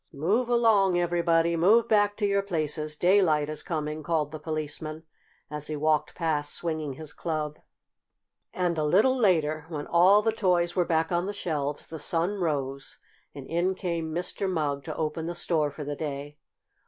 "Move along, everybody! Move back to your places! Daylight is coming!" called the Policeman, as he walked past swinging his club. And, a little later, when all the toys were back on the shelves, the sun rose, and in came Mr. Mugg to open the store for the day.